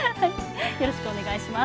よろしくお願いします。